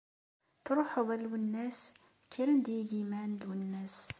Truḥeḍ a Lwennas, kkren-d yigiman n Lwennas.